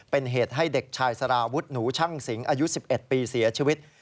เป็นเหตุให้เด็กชายสารวุฒิหนูช่างสิงอายุ๑๑ปีเสียชีวิต